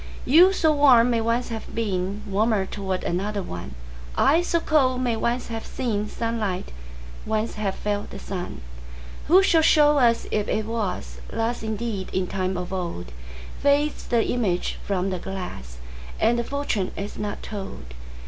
You, so warm, may once have beenWarmer towards another one:I, so cold, may once have seenSunlight, once have felt the sun:Who shall show us if it wasThus indeed in time of old? Fades the image from the glass, And the fortune is not told.